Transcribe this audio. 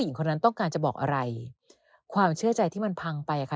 หญิงคนนั้นต้องการจะบอกอะไรความเชื่อใจที่มันพังไปอ่ะค่ะ